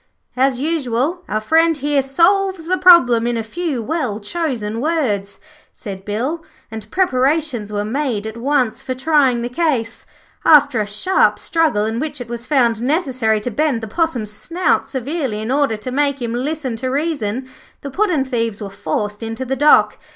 'As usual, our friend here solves the problem in a few well chosen words,' said Bill, and preparations were made at once for trying the case. After a sharp struggle, in which it was found necessary to bend the Possum's snout severely in order to make him listen to reason, the puddin' thieves were forced into the dock.